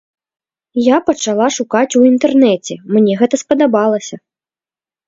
Я пачала шукаць у інтэрнэце, мне гэта спадабалася.